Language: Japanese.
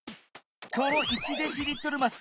この１デシリットルます